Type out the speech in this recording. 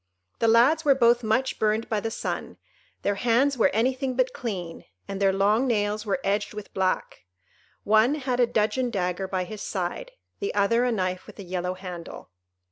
The lads were both much burned by the sun, their hands were anything but clean, and their long nails were edged with black; one had a dudgeon dagger by his side; the other a knife with a yellow handle.